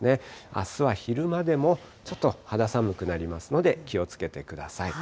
あすは昼間でもちょっと肌寒くなりますので気をつけてください。